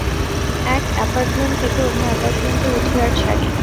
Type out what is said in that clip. এক এপার্টমেন্ট থেকে অন্য এপার্টমেন্টে উঠি আর ছাড়ি।